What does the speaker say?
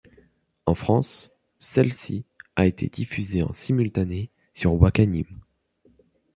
En France, celle-ci a été diffusée en simultané sur Wakanim.